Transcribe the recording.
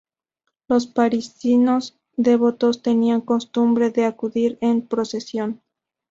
Los parisinos devotos tenían costumbre de acudir en procesión.